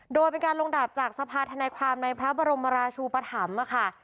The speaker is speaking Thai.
โดยเป็นการลงดาบจากสภาษณ์ธนายความในพระบรมราชูปฐำ